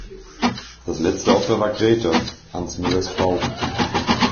Das letzte Opfer war Grete, Hans Müllers Frau.